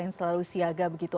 yang selalu siaga begitu